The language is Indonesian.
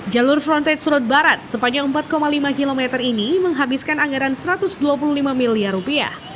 jalur frontage surut barat sepanjang empat lima km ini menghabiskan anggaran satu ratus dua puluh lima miliar rupiah